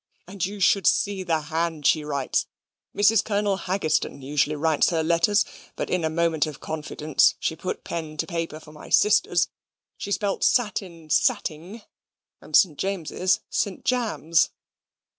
And you should see the hand she writes! Mrs. Colonel Haggistoun usually writes her letters, but in a moment of confidence, she put pen to paper for my sisters; she spelt satin satting, and Saint James's, Saint Jams."